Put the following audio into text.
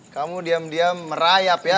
kamu diam diam merayap ya